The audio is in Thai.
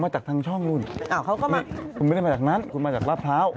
มาจากทางช่องนู่นไม่ได้มาจากราบเภ้า